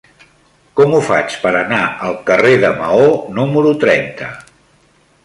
Com ho faig per anar al carrer de Maó número trenta?